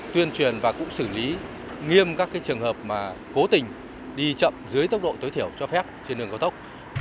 tuyên truyền và cũng xử lý nghiêm các trường hợp mà cố tình đi chậm dưới tốc độ tối thiểu cho phép trên đường cao tốc